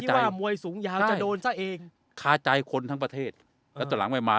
ว่ามวยสูงยาวจะโดนซะเองคาใจคนทั้งประเทศแล้วตอนหลังไม่มา